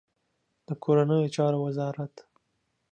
د کورنیو چارو وزارت